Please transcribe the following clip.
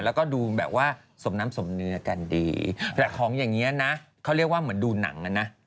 แล้วก็ดูแบบว่าสมน้ำสมเนื้อกันดีแต่ของอย่างนี้นะเขาเรียกว่าเหมือนดูหนังอ่ะนะ